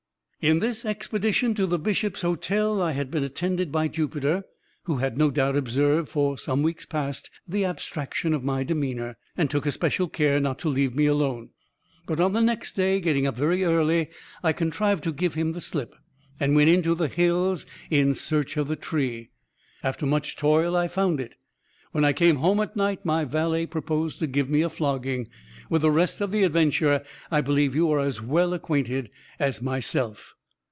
"In this expedition to the 'Bishop's Hotel' I had been attended by Jupiter, who had, no doubt, observed, for some weeks past, the abstraction of my demeanor, and took especial care not to leave me alone. But, on the next day, getting up very early, I contrived to give him the slip, and went into the hills in search of the tree. After much toil I found it. When I came home at night my valet proposed to give me a flogging. With the rest of the adventure I believe you are as well acquainted as myself."